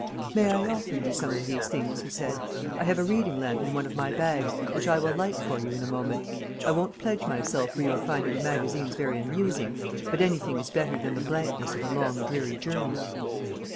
"May I offer you some of these things?" he said. "I have a reading lamp in one of my bags, which I will light for you in a moment. I won't pledge myself for your finding the magazines very amusing, but anything is better than the blankness of a long dreary journey."